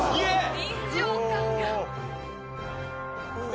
臨場感が！え！